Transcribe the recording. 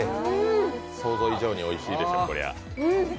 想像以上においしいでしょう、これは。